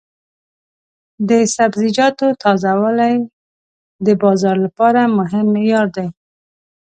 د سبزیجاتو تازه والی د بازار لپاره مهم معیار دی.